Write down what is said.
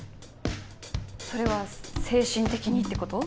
それは精神的にって事？